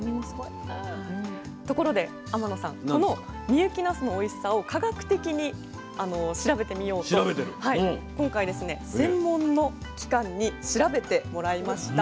ところで天野さんこの深雪なすのおいしさを科学的に調べてみようと今回専門の機関に調べてもらいました。